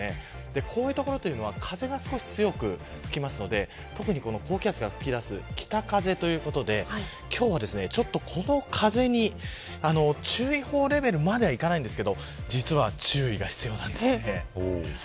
こういう所は風が少し強く吹くので高気圧から吹き出す北風というところで今日はこの風に、注意報レベルまではいきませんが実は、注意が必要です。